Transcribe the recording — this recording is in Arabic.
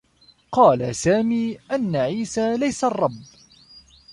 قال سامي أنّ عيسى ليس الرّب.